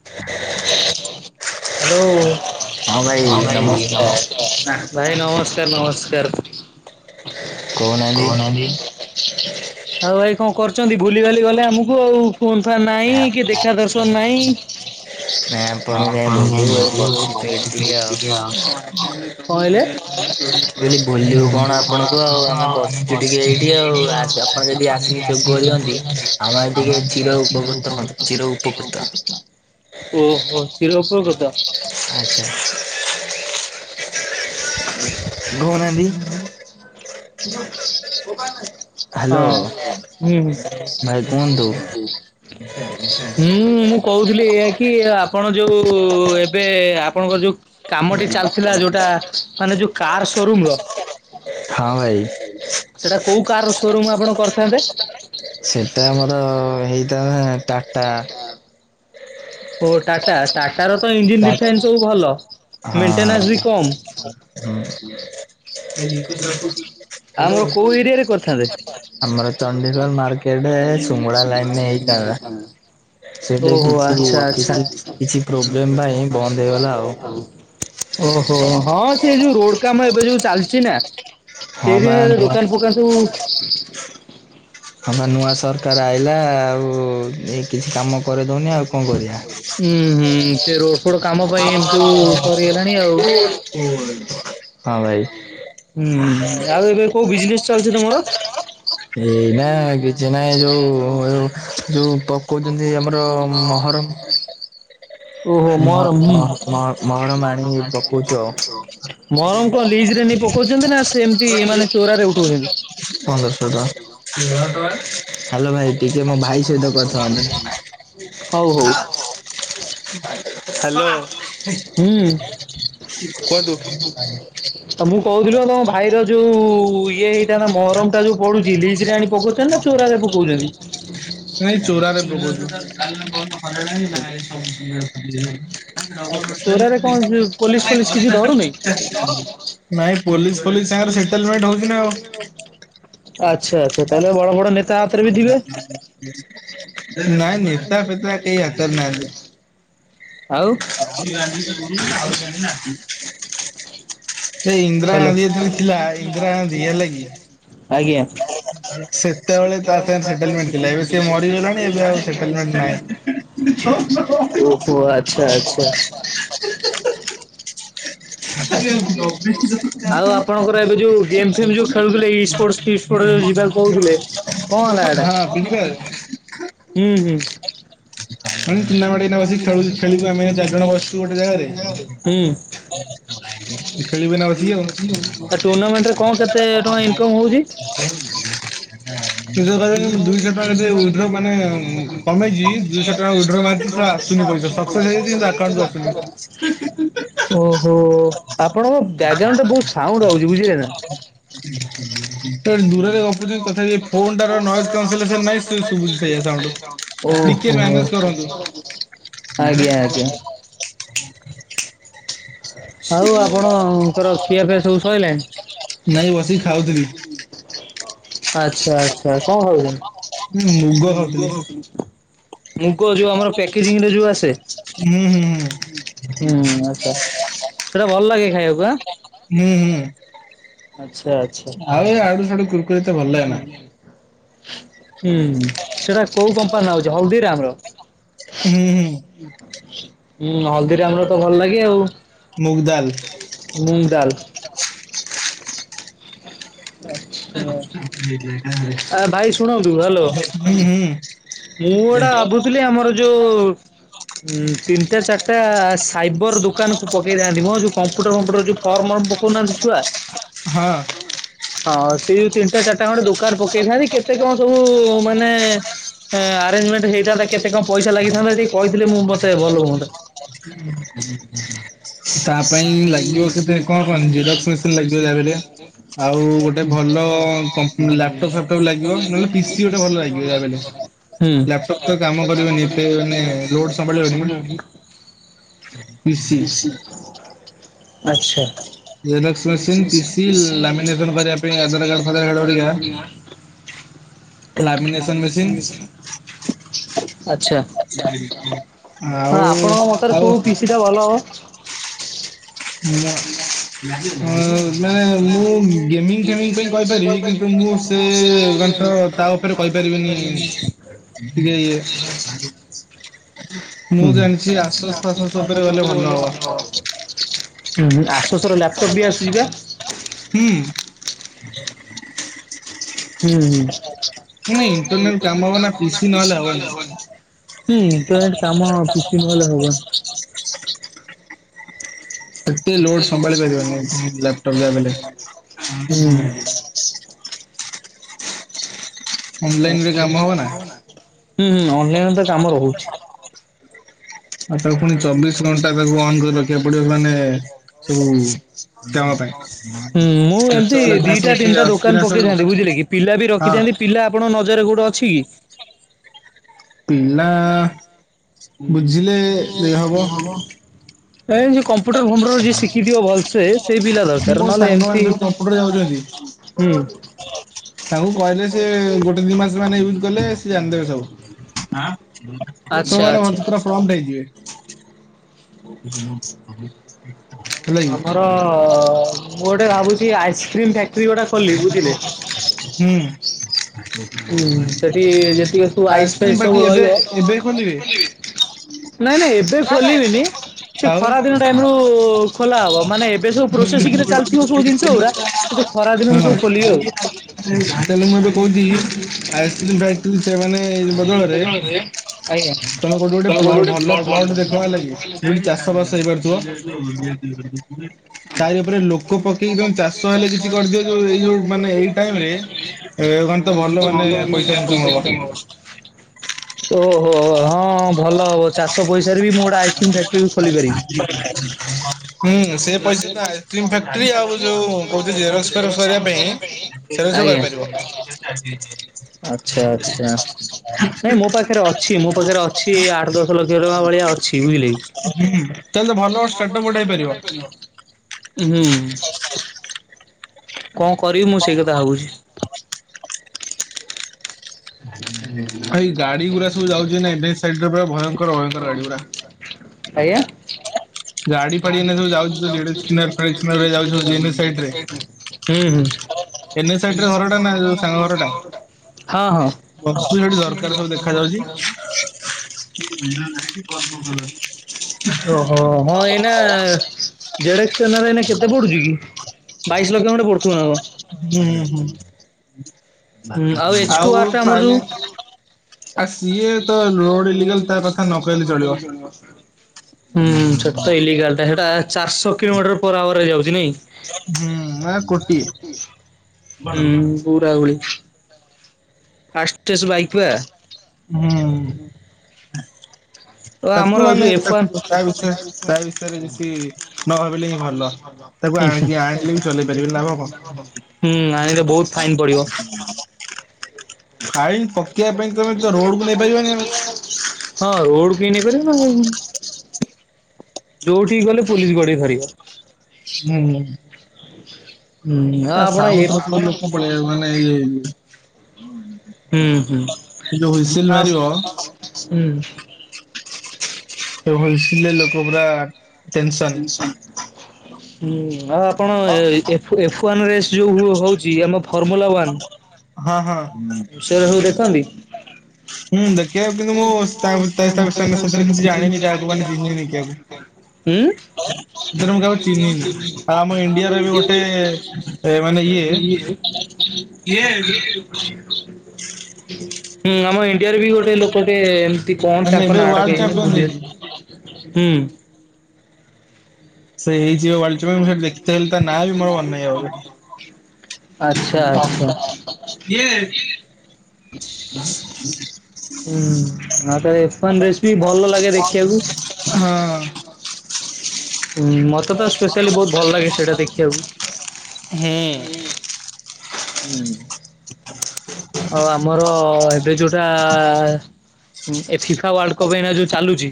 [unintelligible] ଆଲୋ। ହଁ ଭାଇ ନମସ୍କାର, ଭାଇ ନମସ୍କାର ନମସ୍କାର! କହୁନାହାନ୍ତି? ଆଉ ଭାଇ କଣ କରୁଛନ୍ତି ଭୁଲି ଭାଲି ଗଲେ ଆମକୁ ଆଉ ଫୋନ ଫାନ ନାଇଁ କି ଦେଖା ଦର୍ଶନ ନାଇଁ ନାାଇପଣ କ ଭଲ ଆଉ ବ ଆ କଣ କହିଲେ? [inaudible] କହଲି ଭୁଲିବୁ କଣ ଆପଣଙ୍କୁ ଆଉ ଆମେ ବସଛୁ ଟିକେ ଏଇଠି ଆଉ ଆପଣ ଯଦି ଯ ଆସିକି ଯଉ ଗଛନ୍ତି ଆମର ଟିକେ ଚିର ଉପକୃତ ହୁଅନ୍ତୁ ଚିର ଉପକୃତ [inaudible] ଓହୋ ଚିରୋପକୃତ! ଆଜ୍ଛା [inaudible] କହୁନାହାନ୍ତି? ହ କଣ ହ୍ୟାଲୋ। କର [inaudible] ହଁ, ଭାଇ କୁହନ୍ତୁ। ହୁଁ ହୁଁ! ହୁଁ ମୁଁ କହୁଥିଲି ଏଇଆ କି ଆପଣ ଯୋଉ ଏବେ ଆପଣଙ୍କ ଯୋଉ କାମଟି ଚାଲିଥିଲା ଯୋଉଟା ମାନେ ଯୋଉ କାର ସୋରୁମ ର ହଁ ଭାଇ! ସେଇଟା କୋଉ କାର ସୋରୁମ୍ ଆପଣ କରିଥାନ୍ତେ? ସେଟା ଆମର ହେଇଥାନ୍ତା ଟାଟା ଓହୋ ଟାଟା। ଟା ତାର ତ ଇଞ୍ଜିନ୍ ଟା ଡିଫେନ୍ସ ସବୁ ଭଲ। ହଁ ମେଣ୍ଟେନାନ୍ସ ବି କମ୍। ହଁ। ଆମର ହ୍ୟାଲୋ କୋଉ ଏରିଆ ରେ କରିଥାନ୍ତେ? ଆମର ଚଣ୍ଡିଖୋଲ ମାର୍କେଟ ସୁମଳା ଲାଇନ ରେ ହେଇଥାନ୍ତା। [unintelligible] ସେଠି ଓହୋ। କିଛି ଆଚ୍ଛା ଆଚ୍ଛା। କିଛି କିଛି ପ୍ରୋବ୍ଲେମ ପାଇଁ ବନ୍ଦ ହେଇଗଲା ଆଉ। ଓହୋ। ହଁ ସେ ଯୋଉ ରୋଡ କାମ ଏବେ ଯୋଉ ଚାଲିଛି ନା ହଁ ବା ସେଇଥିପାଇଁ ନୂଆ ଦୋକାନ ଫୋକାନ ସବୁ ହ ବା ନୂଆ ସରକାର ଆଇଲା ଆଉ ଏ କିଛି କାମ କରିଦଉନି ଆଉ କଣ କରିବା? ହୁଁ ହୁଁ। ସେ ରୋଡ ଫୋଡ କାମ ପାଇଁ ଏମିତି ସବୁ ସରିଗଲାଣି ଆଉ। ହଁ ଭାଇ। ହୁଁ ଆଉ ଏବେ କୋଉ ବିଜନେସ ଚାଲଛି ତମର? ଏ ଏଇନା କିଛି ନାହିଁ କିଛିଟା ଯୋଉ ଯୋଉ ପ୍ରର ପକଉଛନ୍ତି [inaudible] ଆମର ହଁ ମହରମ [inaudible] ଓହୋ ମହ ମରମ। ମହ ମହରମ ଆଣି ପକଉଛୁ ଆଉ ମରମ କଣ ଲିଜରେ ନେଇ ପକ କଉଛନ୍ତି ନା ସେମିତି ମାନେ ଚୋରାରେ ଉଠଉଛନ୍ତି? ପନ୍ଦରଶହ ଟଙ୍କା, ହ୍ୟାଲୋ ଭାଇ ଟିକେ ମୋ ଭାଇ ସହିତ କଥା ହୁଅନ୍ତୁ। ହଉ ହଉ। ହାଲୋ। ହୁଁ। ଆଉ ମୁଁ କୁହନ୍ତୁ। କହୁଥିଲି ପା ତମ ଭାଇର ଯୋଉ ଇଏ ହେଇଥାନ୍ତା ମହରମ ଟା ଯୋଉ ପଡୁଚି ଲିଚ ରେ ଆଣି ପକଉଛନ୍ତି ନା ଚୋରାରେ ପକଉଛନ୍ତି? ନାଇଁ ଚୋରାରେ ପକୋଉଛୁ। [unintelligible] ଆଚ୍ଛା ନାଇଁ ଚୋରାରେ କଣ ପୋଲିସ୍ ପୋଲିସ ଫୋଲିସ କିଛି ଫୋଲିସ୍ ଧରୁନି? ସାଙ୍ଗରେ ସେଟଲମେଣ୍ଟ ହଉଛି ନା ଆଉ। ଆଛା ଆଛା। ତାହେଲେ ବଡ ବଡ ନେତ ନାଇଁ ନେତା ଫେତା କେହି ଆସିବାର ନାହାଁନ୍ତି। ଆଉ [unintelligible] ସେ ଇନ୍ଦିରା ଗାନ୍ଧୀ ହ୍ୟାଲୋ ଯେତେବେଳେ ଥିଲା, ଇନ୍ଦିରା ଗାନ୍ଧୀ ହେଲା କି- ଆଜ୍ଞା। ସେତେବେଳେ ତା ସାଙ୍ଗରେ ସେଟଲମେଟ ଥିଲା ଏବେ ସେ ମରିଗଲାଣି ଏବେ ଆଉ ସେଟେଲମେଟ ନାହିଁ। ଓହୋ। ଆଚ୍ଛା ଆଚ୍ଛା। [unintelligible] ହଁ ଫ୍ରି ଆଉ ଆପଣଙ୍କର ଏବେ ଯୋଉ ଗେମ୍ ଫେମ ଯୋଉ ଖେଳୁଥିଲେ ଇ ସ୍ପୋର୍ଟ ସ୍ପିପ ଛୋଟୋ ଯୋଉ ଯିବାକୁ କହୁଥିଲେ କଣ ହେଲା ଫାୟାର ହେଟା? ହୁଁ ହୁଁ। ଟୁନାମେନ୍ଟ ଏଇନା ବସିକି ଖଳୁ ଖେଳିବୁ ଆମେ ଚାରି ଜଣ ବସିଛୁ ଗୋଟେ ଜାଗାରେ, ହୁଁ ଖେଳିବୁ ଏଇନା ବସିକି ଆଉ। ଆ ଟୁର୍ଣ୍ଣାମେଣ୍ଟ ରେ କଣ କେତେ ଟଙ୍କା ଇନକମ୍ ହଉଛି? [unintelligible] ଦୁଇଶହ ଟଙ୍କାରେ ଯେଉ ଉଇଟ୍ରିଦ୍ର ମାନେ କମେଇଛି ଦୁଇଶହ ଟଙ୍କା ଉଇର୍ଦ୍ର ମାରିଛି ଶଲା ଆସୁନି ପଇସା ପ୍ରୋସେସ୍ ହେଇଯାଇଚି, କିନ୍ତୁ ଆକାଉଣ୍ଟକୁ ଆସୁନି। ଓହୋ। ଆପଣଙ୍କ ବ୍ୟାଗ୍ରାଉଣ୍ଡରେ ବୋହୁତ୍ ସାଉଣ୍ଡ ଆଉଚି ବୁଝିହେଲା। ହଁ ଦୂରରେ ଗପୁଛି ତଥାପି ଏଇ ଫୋନ ଟାର ନଏଜ୍ କାଉନସେଲେସନ୍ ନାଇ ସେ ସବୁଚି ସେଇୟା ସାଉଣ୍ଡ। ଟିକେ ଓହୋ ମ୍ୟାନେଜ କରନ୍ତୁ। ଆଜ୍ଞା ଆଜ୍ଞା ଆଉ ଆପଣଙ୍କର ଖିଆ ଫିଆ ସବୁ ସଇଲାଣୀ? ନାଇଁ ବସିକି ଖାଉଥିଲି ଆଛା ଆଛା। କଣ ଖାଉଛନ୍ତି? ମୁଁ ମୁଗ ଖାଉଥିଲି। ମୁଗ ଯୋଉ ଆମର ପ୍ୟାକେଜିଂରେ ଯୋଉ ଆସେ ହୁଁ ହୁଁ ହୁଁ। ହୁଁ ଆଛା। ସେଟା ଭଲ ଲାଗେ ଖାଇବାକୁ ଆଁ। ହୁଁ ହୁଁ। ଆଚ୍ଛା ଆଚ୍ଛା। ଆଉ ୟାଡୁ ସ୍ୟାଡୁ କୁର୍ ହୁଁ ସେଟା କୋଉ କମ୍ପାନୀର ଆଉଚି ହଳଦୀ ରାମର? ହୁଁ। ହୁଁ ହୁଁ ହଳଦୀ ରାମର ତ ଭଲ ଲାଗେ ଆଉ। ମୁଗ୍ ଦାଲ୍। ମୁଙ୍ଗ ଡାଲ୍। ନାଇଁ [unintelligible] ଆ ଭାଇ ଶୁଣନ୍ତୁ ହାଲୋ। ହୁଁ ହୁଁ। ମୁଁ ଏଟା ଭାବୁଥିଲି ଆମର ଯୋଉ ଉଁ ତିନିଟା ଚାରିଟା ଆସ୍ ସାଇବର ଦୋକାନୁକୁ ପକେଇଥାନ୍ତି ମ ଯୋଉ କମ୍ପୁଟର ଫମ୍ପୁଟର ଯୋଉ ଫର୍ମ ମର୍ମ ପକଉନାହାନ୍ତି ଛୁଆ ହଁ। ହଁ ସେଇ ତିନିଟା ଚାରିଟା ଖଣ୍ଡେ ଦୋକାନ ପକେଇଥାନ୍ତି କେତେ କଣ ସବୁ ମାନେ ଏଁ ଆରେଞ୍ଜମେଣ୍ଟ ହେଇଥାନ୍ତା କେତେ କଣ ପଇସା ଲାଗିଥାନ୍ତା ଟିକେ କଇଥିଲେ ମୁଁ ମତେ ଭଲ ହୁଅନ୍ତା। ହୁଁ ହୁଁ ହୁଁ ହୁଁ। କଣ [inaudible] ଜେରକ୍ସ ମେସିନ ଲାଗିବ ଯାହା ବି ହେଲେ। ଗୋଟେ ଭଲ ଆଉ କମ୍ପ ଲାପଟପ୍ ଫାପଟପ୍ ଲାଗିବ ନହେଲେ ପିସି ଗୋଟେ ଗୋଟେ ଭଲ ଲାଗିବ ଯାହା ବି ହେଲେ। ଲାପଟପ୍ ତ କାମ [inaudible] କରିବନି ଏତେ ମାନେ ଲୋଡ ସମ୍ଭାଳିବନି ହୁଁ। ପିସି [inaudible] ଆଚ୍ଛା। ଜେରକ୍ସ ମେସିନ୍ ପିସି ଲାମିନେସନ କରିବା ପାଇଁ ଆଧାର କାର୍ଡ ଫାଧାର କାର୍ଡ ହେରିକା ଲାମିନେସନ ମେସିନ [inaudible] [inaudible] ଆଚ୍ଛା ହଁ ଆଉ ଆପଣଙ୍କ ମତରେ ଆଉ କୋଉ ପିସି ଟା ଭଲ ହବ? [inaudible] [inaudible] ହଁ ମାନେ ମୁଁ ଗେମିଙ୍ଗ୍ ଫେମିଙ୍ଗ୍ ପାଇଁ କଇପାରିବି କିନ୍ତୁ ମୁଁ ସେ [unintelligible] ତା ଉପରେ କଇପାରିବିନି। [inaudible] ହୁଁ ମୁଁ ଜାଣିଛି ଆସସ୍ [unintelligible] ହୁଁ ହୁଁ ଫାସସ୍ ଉପରେ ଗଲେ ଭଲ ହବ। ଆଶୋଷ୍ ର ଲାପ୍ଟବ୍ ବି ଆସୁଚି ପା। ହୁଁ। ହୁଁଁ ହୁଁ। ହୁଁ ମାନେ ଇଣ୍ଟରନାଲ କାମ ହବ ଇଣ୍ଟରନେଟ ନା କାମ ନହେଲେ ପିସି ନ ହବନି। ହେଲେ ହବନି। [inaudible] ଏତେ ଲୋଡ ସମ୍ଭାଳି ପାରିବନି ଲାପଟପ୍ ଯାହା ବି ହେଲେ ହୁଁ। ହୁଁ ଅନଲାଇନ ରେ କାମ ହବ ନା। ହୁଁ ଅନ୍ ଲାଇନ୍ ରେ ତ କାମ ରହୁଛି। ଆଉ ତାକୁ ପୁଣି ଚବିଶ୍ ଘଣ୍ଟା ତାକୁ ଅନ୍ କରି ରଖିବାକୁ ପଡ଼ିବ ମାନେ ସବୁ କାମ ପାଇଁ ହୁଁ ମୁଁ ଏମତି କେତେବେଳେ କଣ ସବୁ ଦିଟା ସେ ତିନ୍ ଟା ଦୋକାନ୍ ଆସିଲା ସବୁ ପକେଇଥାନ୍ତି ବୁଝିଲେ କି ପିଲା ବି ହଁ ରଖିଥାନ୍ତି ପିଲା ଆପଣଙ୍କ ନଜର୍ ରେ ଗୁଡ଼ ଅଛି କି? ପିଲା ବୁଝିଲେ ଦେ ହବ। ଏ ଯିଏ କମ୍ପୁଟର୍ ଫମ୍ପୁଟର ଯିଏ ଶିକିଥିବ ଭଲସେ। ସେଇ ପିଲା ଦରକାର ମୋ ନହେଲେ ଏମ୍ ସାଙ୍ଗମାନେ ତି ସବୁ କମ୍ପ୍ୟୁଟର ଯାଉଛନ୍ତି। ହୁଁ। ତାକୁ କଇଲେ ସେ ଗୋଟେ ଦି ମାସ୍ ମାନେ ୟୁଜ୍ କଲେ ସିଏ ଜାନ୍ ଦବେ ସବୁ ହାଁ। ଛୁଆ ଆଚ୍ଛା ମାନେ ଆଚ୍ଛା ଭଲସେ ପୁରା ପ୍ରମ୍ପଟ୍ ହେଇଯିବେ। ହେଲା ଆମର କି। ମୁଁ ଗୋଟେ ଭାବୁଚି ଆଇସ୍କ୍ରିମ ଫ୍ୟାକ୍ଟ୍ରି ଗୋଟା ଖୋଲିିବି ବୁଝିଲେ। ହୁଁ ସେଠି ଯେତିକି ସବୁ ଆଇସ୍ ଫାଇସ୍ ଆଇସ୍କ୍ରିମ୍ ସବୁ ପାଟି ଏବେ ରହିବ ଏବେ ଖୋଲିବେ? ନାଇଁ ନାଇଁ ଏବେ ଖୋଲିବିନି। ସେଇ ଆଉ ଖରା ଦିନ ଟାଇମ୍ ରୁ ଖୋଲା ହବ ମାନେ ଏବେ ସବୁ ପ୍ରୋସେଙ୍ଗ୍ ରେ ଚାଲଥିବ ସବୁ ଜିନଷ ଉରା। ଖରା ଦିନ ମୁଁ କଉ ହଁ ଖୋଲିବୁ ଆଉ [inaudible] ତାହେଲେ ମୁଁ ଏବେ କହୁଛି ଆଇସ୍କ୍ରିମ ଫ୍ୟାକ୍ଟ୍ରି ସେମାନେ [unintelligible] ଆଜ୍ଞା! ତମ କୌଡ଼ି ଗୋଡ଼େ ପ୍ଲଟ୍ ଭଲ ପ୍ଲଟ୍ ଦେଖ ହେଲାକି ଯେମ୍ତି ଚାଷ ବାସ ହେଇପାରୁଥିବ। ତାରି ଉପ୍ରେ ଲୋକ ପକେଇକ ଦ ଚାଷ ହେଲେ କିଛି କର୍ଦିଅ ଯୋଉ ଏଇ ଯୋଉ ମାନେ ଏଇ ଟାଇମ୍ ରେ। ଏ ଗନ୍ ତ ଭଲ ମାନେ ପଇସା ଇନ୍କମ୍ ହବ। ଓହୋ ହଁ ଭଲ ହବ ଚା ସ ପଇସାରେ ବି ମୋଟ୍ [inaudible] ହୁଁ ସେ ପଇସା ଆୟ କ୍ରିମ୍ ଫେକ୍ଟ୍ରି ଆଉ ଯୋଉ କଉଚି ଜେରକ୍ସ୍ ଫେରକ୍ସ୍ କରିବା ପାଇଁ ସେ ର ସଉ ଆଜ୍ଞା। କରିପାରିବ [unintelligible] [inaudible] ଆଚ୍ଛା ଆଚ୍ଛା ନାଇଁ ମୋ ପାଖେରେ ଅଛି ମୋ ପାଖେରେ ଅଛି ଆଠ୍ ଦଶ୍ ଲକ୍ଷ ଟଙ୍କା ଭଳିଆ ଅଛି। ଛିିବିଲି। ହୁଁ ତାଏଲେ ଭଲ ଟାଟପଟେଇ ପାରିବ। ହୁଁ- [inaudible] କଁ କରିବି ମୁଁ ସେଇ କତା ଭାବୁଛି। ଭାଇ ଗାଡ଼ି ଗୁରା ସବୁ ଯାଉଛି ନା ଡେ ସାଇଡ ଭୟଙ୍କର ଭୟଙ୍କର ଗାଡ଼ି ଗୁରା ଆଇଁୟା। ଗାଡ଼ି ପାଡ଼ି ଏଇନେ ଯୋଉ ଯାଉଚୁ ତେଡ଼ିସ୍ନାଲ ପେଡି଼ସ୍ନାଲ ରେ ଯାଉଚୁ ଜେନି ସାଇଡ୍ ରେ ହୁଁ ଏନ୍ଏଚ୍ ସାଇଡ୍ ରେ ଘରଟା ନା ଯୋଉ ହୁଁ ସାଙ୍ଗ ଘରଟା। [inaudible] ବସ୍ତୁ ହଁ ସେଠି ଝରକାରେ ସବୁ ଦେଖା ଯାଉଛି। ହଁ [inaudible] [inaudible] ଓହୋ ହଁ ଏଇନା ଜଡ ଏଇ କେତେ ପଡୁଛି କି ବାଇଶ ଲକ୍ଷ ଖଣ୍ଡେ ପଡୁଥିବ ନା ଆ ହୁଁ ହୁଁ ଆଉ ଏଚ୍ ଟୁ ହଁ ଆର୍ ଟା ଆମର ଯୋଉ ଆଉଲେ ଆ ସିଏ ତ ରୋଡ ଇଗାଲ ତା କଥା ନ କହିଲେ ଚଳିବ [inaudible] ହୁଁ ସେଟା ତ ଇଗାଲ ଟା ସେଟା ଚାରିଶହ କିଲୋମିଟର ପର ଆୱାର ହେଇ ଯାଉଛି ନାଇଁ ହୁଁ କୋଟି ପଉୁରଉଳି ଫାଷ୍ଟେସ୍ ବାଇକ୍ ବା ହୁଁ ଓ ଆମର ତାକୁ ଆଉ ମାନେ ଯୋଉ ଏଫ୍ ୱାନ୍ ତାକୁ ତା ବିଷୟରେ ତା ବିଷୟରେ କିଛି ନ ଭାବିଲେ ହିଁ ଭଲ ତାକୁ ହୁଁ ଆଣିକି ଆଣିଲେ ବି ଚଲେଇ ପାରିବେ ଲାଭ କଣ ହୁଁ ଆଣିଲେ ବହୁତ ଫାଇନ୍ ପଡିବ ହଁ ପାଇଁ ତମେ ାଇ ତ କ ରୋଡ କୁ ନେଇପାରିବନି ଆଉ। ଦେଛି ହଁ ରୋଡକୁ ନେଇ ପାରିବ ନା ଯୋଉଠିକ ଗଲେ ପୋଲିସ ଗଡେଇ ଫାରିବା ହୁଁ ହୁଁ ଆ ଆପଣ ଏ କଣ ପଳେଇ ମାନେ ଇ ହୁଁ ହୁଁ କି ହୁସିଲ ଆ ମାରିବ ହୁଁ ସେ ଭସେ ଲୋକ ପରା ହୁଁ ଆଉ ଆପଣ ରେ ଯୋଉ ହଉଛି ଆମ ଫର୍ମୁଲା ାନ୍ ହଁ ହଁ। ଉଷରେ ସବୁ ଦେଖନ୍ତି ହୁଁ ଦେଖ କିନ୍ତୁ ମୁଁ ସେରେ କିଛି ଜାଣିନି ତାହାକୁ ମାନେ ଚିହ୍ନିନିକୁ ହୁଁ ଆଉ ଆମ ଇଣ୍ଡିଆର ବି ଗୋଟେ [unintelligible] [unintelligible] କିଏ? ହୁଁ ଆମ ଇଣ୍ଡିଆରେ ବି ଗୋଟେ ଲୋ ଗୋଟେ ଏମିତି କଣ ମାନେ ତାଙ୍କ ଏବେ ନାଆଁଟା ୱାର୍ଲଡ କେଆଣି ଚାମ୍ପିୟନ ହେଇଛି। ଭୁଲିଗଲି ହୁଁ। ସେଇ ହେଇଯିବୱ ସେଠି ଦେଖି ଥିଲି ତା ନାଁ ବି ମୋର ମନେନାହିଁ ଆଉ। ଆଚ୍ଛା ଆଚ୍ଛା। କିଏ? ହୁଁ ଆ [unintelligible] ରେସପି ଭଲ ଲାଗେ ଦେଖିବାକୁ। ହଁ। ହୁଁ ମତେ ତ ସ୍ପେଶାଲି ବହୁତ ଭଲ ଲାଗେ ସେଇଟା ଦେଖିବାକୁ। ହୁଁ। ହୁଁ। [inaudible] ଆଉ ଆମର ଏବେ ଯୋଉଟା ହ ଏ ଫିଫା ୱାର୍ଲଡ କପ ଏଇ ଯୋଉ ଚାଲୁଛି।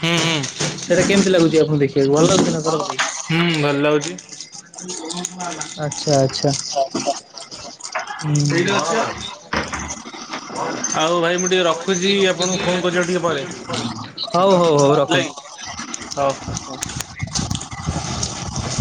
ହୁଁ ସେଇଟା କେମିତି ଲାଗୁଛି ଆପଣଙ୍କୁ ଦେଖିବାକୁ ଭଲ ଲାଗୁଛି ନା ଖରପ ହୁଁ ଭଲ ଲାଗୁଛି ଲାଗଛି। ଆଚ୍ଛା ଆଚ୍ଛା। ହୁଁ। ଭାଇ ମୁଁ ଟିକେ ଆଉ ରଖୁଛି ଭାଇଟିକେ ଆପଣଙ୍କୁ ରଖୁଛି ଫୋନ ଇଏ କଣ ଫୋନ କରୁଛନ୍ତି ଟିକେ ପରେ ହଉ, ହଉ, ହଉ, ରଖନ୍ତୁ। ହଉ। [inaudible]